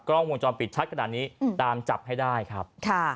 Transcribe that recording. กล้องวงจรปิดชัดขนาดนี้ตามจับให้ได้ครับ